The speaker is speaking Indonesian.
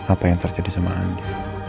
apa yang terjadi sama andi